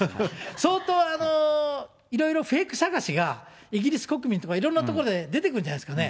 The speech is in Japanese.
相当いろいろフェイク探しが、イギリス国民とか、いろんなところで出てくるんじゃないですかね。